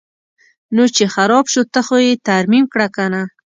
نو چې خراب شو ته خو یې ترمیم کړه کنه.